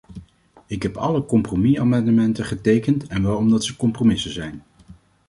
Ik heb alle compromisamendementen getekend, en wel omdat ze compromissen zijn.